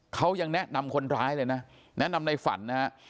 เขายังแนะนำคนร้ายเลยนะแนะนำในฝันนะฮะ